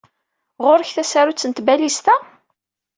Ɣur-k tasarut n tbalizt-a?